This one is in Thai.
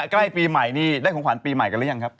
ใกล้ปีใหม่นี่ได้ของขวัญปีใหม่กันหรือยังครับ